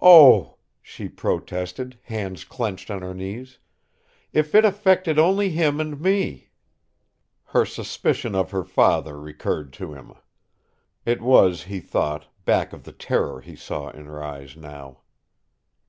"Oh!" she protested, hands clenched on her knees; "if it affected only him and me!" Her suspicion of her father recurred to him. It was, he thought, back of the terror he saw in her eyes now.